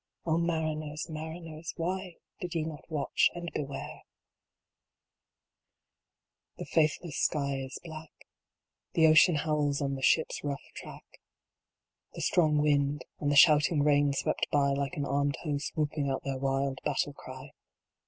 O mariners, mariners, why did ye not watch and beware ? III. The faithless sky is black. The ocean howls on the Ship s rough track. The strong wind, and the shouting rain swept by like an armed host whooping out their wild battle cry.